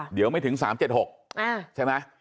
เดี๋ยวไม่ถึง๓๗๖ใช่ไหม